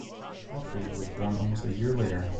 Alfried was born almost a year later.